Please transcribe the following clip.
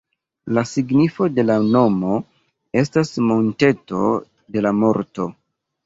La signifo de la nomo estas ""monteto de la morto"".